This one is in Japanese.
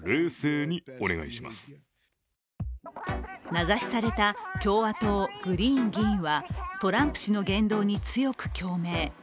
名指しされた共和党・グリーン議員はトランプ氏の言動に強く共鳴。